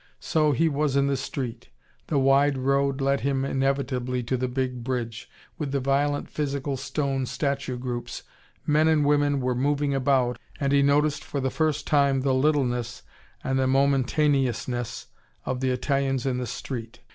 So, he was in the street. The wide road led him inevitably to the big bridge, with the violent, physical stone statue groups. Men and women were moving about, and he noticed for the first time the littleness and the momentaneousness of the Italians in the street.